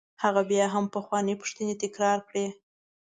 هغه بیا هم پخوانۍ پوښتنې تکرار کړې.